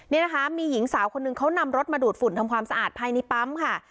นี่นะคะมีหญิงสาวคนหนึ่งเขานำรถมาดูดฝุ่นทำความสะอาดภายในปั๊มค่ะ